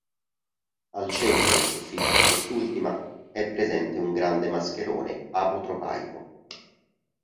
Al centro del soffitto di quest'ultima, è presente un grande mascherone apotropaico.